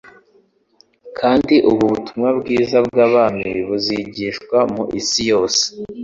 Kandi ubu butumwa bwiza bw'ubwami buzigishwa mu isi yose,